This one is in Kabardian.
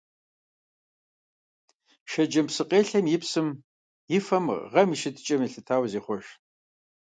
Шэджэм псыкъелъэм и псым и фэм гъэм и щытыкӀэм елъытауэ зехъуэж.